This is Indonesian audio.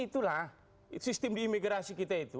itulah sistem di imigrasi kita itu